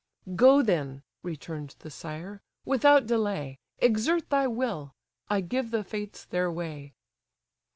"Go then (return'd the sire) without delay, Exert thy will: I give the Fates their way."